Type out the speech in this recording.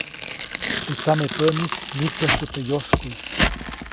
Teʼ tsamepäʼnis nyitsäjku teʼ yoskuʼy.